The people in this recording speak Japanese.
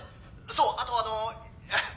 そうあとあのいや。